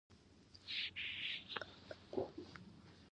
آیا دوی نویو خلکو ته لارښوونه نه کوي؟